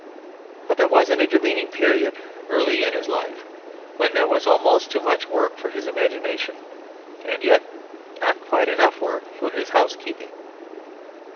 But there was an intervening period, early in his life, when there was almost too much work for his imagination, and yet not quite enough work for his housekeeping.